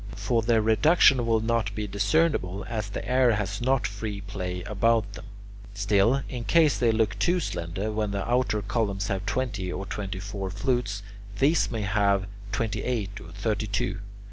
For their reduction will not be discernible, as the air has not free play about them. Still, in case they look too slender, when the outer columns have twenty or twenty four flutes, these may have twenty eight or thirty two.